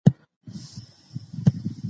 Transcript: احمد ولي اڅکزی